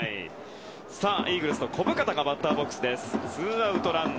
イーグルスの小深田がバッターボックスです。